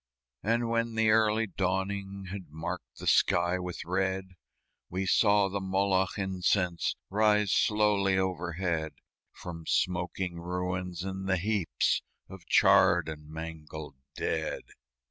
And when the early dawning Had marked the sky with red, We saw the Moloch incense Rise slowly overhead From smoking ruins and the heaps Of charred and mangled dead.